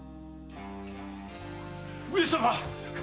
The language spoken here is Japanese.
上様！